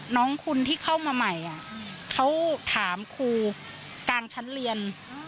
น้องคุณที่เข้ามาใหม่เขาถามครูกลางชั้นเรียน